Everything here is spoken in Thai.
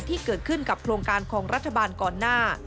ที่เกิดขึ้นกับโครงการของรัฐบาลก่อนหน้า